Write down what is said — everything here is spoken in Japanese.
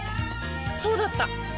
そうだった！